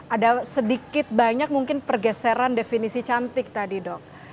ada sedikit banyak mungkin pergeseran definisi cantik tadi dok